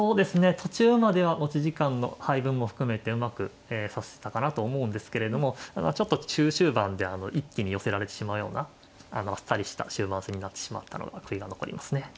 途中までは持ち時間の配分も含めてうまく指せたかなと思うんですけれどもちょっと中終盤で一気に寄せられてしまうようなあっさりした終盤戦になってしまったのが悔いが残りますね。